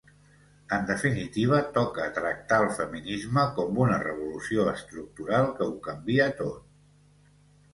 En definitiva, toca tractar el feminisme com una revolució estructural, que ho canvia tot.